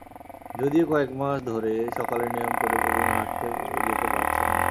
যদিও কয়েক মাস ধরে সকালে নিয়ম করে প্রতিদিন হাঁটতে যেতে পারছেন না।